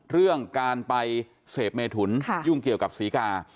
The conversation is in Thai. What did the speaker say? เรื่องการไปเสพเมถุนยุ่งเกี่ยวกับศรีกา